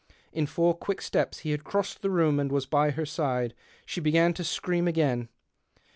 In four quick steps he had crossed the room and was by her side. She began to scream again.